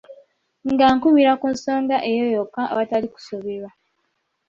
Ng’akubira ku nsonga eyo yokka awatali kusoberwa.